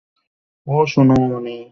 ওহ, সোনামণি।